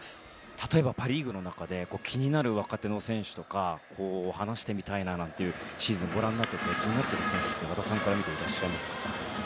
例えばパ・リーグの中で気になる若手の選手とか話してみたいななんていうシーズンをご覧になってて気になる選手は和田さんから見ていらっしゃいますか？